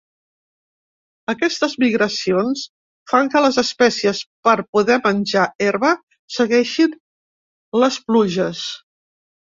Aquestes migracions fan que les espècies per poder menjar herba segueixin les pluges.